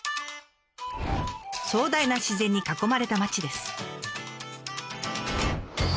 壮大な自然に囲まれた町です。